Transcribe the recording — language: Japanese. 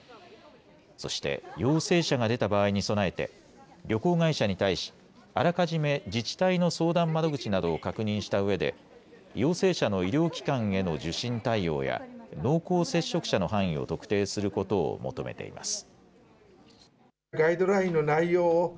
そして陽性者が出た場合に備えて旅行会社に対しあらかじめ自治体の相談窓口などを確認したうえで陽性者の医療機関への受診対応や濃厚接触者の範囲を特定することを求めています。